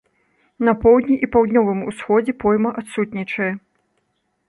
На поўдні і паўднёвым усходзе пойма адсутнічае.